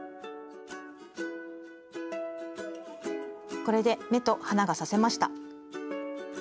これで目と鼻が刺せました。